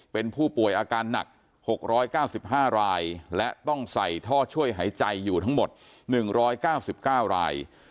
เป็นผู้ป่วยอาการหนัก๖๙๕รายและต้องใส่ท่อช่วยหายใจอยู่ทั้งหมด๑๙๙ราย